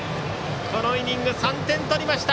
このイニング、３点取りました。